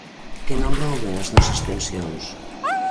Que non rouben as nosas pensións!